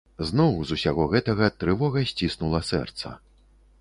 Зноў, з усяго гэтага, трывога сціснула сэрца.